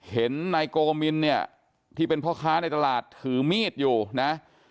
เห็นนายโกมินเนี่ยที่เป็นพ่อค้าในตลาดถือมีดอยู่นะ